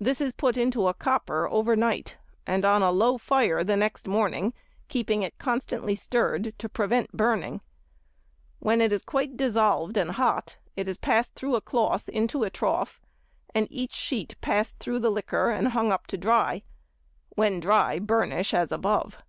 This is put into a copper over night, and on a low fire the next morning, keeping it constantly stirred to prevent burning. When quite dissolved and hot it is passed through a cloth into a trough, and each sheet passed through the liquor and hung up to dry; when dry, burnish as above.